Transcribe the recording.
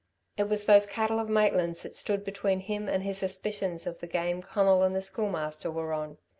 It was those cattle of Maitland's that stood between him and his suspicions of the game Conal and the Schoolmaster were on.